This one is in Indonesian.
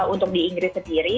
untuk di inggris sendiri